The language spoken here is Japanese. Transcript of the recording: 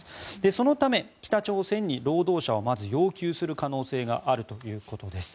そのため、北朝鮮に労働者をまず要求する可能性があるということです。